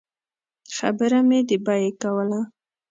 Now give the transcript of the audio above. خبره مې د بیې کوله.